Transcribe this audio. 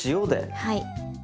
はい。